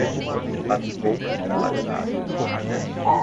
Quem paga um pouco, paga caro.